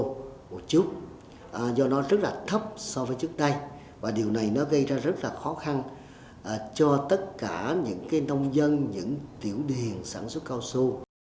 một chút do nó rất là thấp so với trước đây và điều này nó gây ra rất là khó khăn cho tất cả những cái nông dân những tiểu điền sản xuất cao su